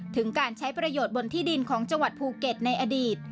ถึงการใช้ประโยชน์บนที่ดินของจังหวัดภูเก็ตในอดีต